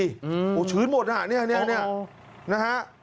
โอ้โหชื้นหมดอ่ะเนี่ยนะฮะ